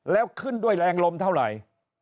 แล้วขึ้นด้วยแรงลมเท่าไหร่